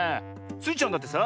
スイちゃんだってさ